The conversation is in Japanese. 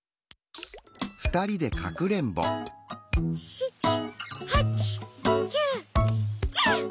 ７８９１０！